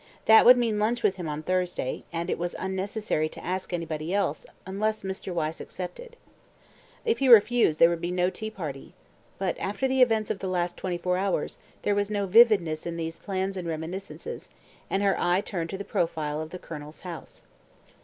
That would mean lunch with him on Thursday, and it was unnecessary to ask anybody else unless Mr. Wyse accepted. If he refused, there would be no tea party. ... But, after the events of the last twenty four hours, there was no vividness in these plans and reminiscences, and her eye turned to the profile of the Colonel's house.